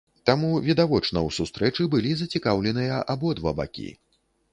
Таму, відавочна, у сустрэчы былі зацікаўленыя абодва бакі.